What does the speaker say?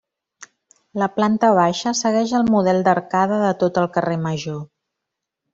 La planta baixa segueix el model d'arcada de tot el carrer Major.